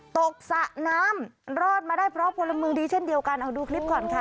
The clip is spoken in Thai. สระน้ำรอดมาได้เพราะพลเมืองดีเช่นเดียวกันเอาดูคลิปก่อนค่ะ